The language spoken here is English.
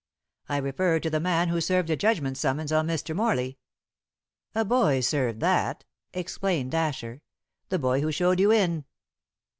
"I refer to the man who served a judgment summons on Mr. Morley." "A boy served that," explained Asher. "The boy who showed you in."